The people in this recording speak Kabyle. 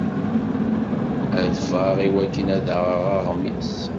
Ad ffɣeɣ i wakken ad aɣeɣ aɣmis.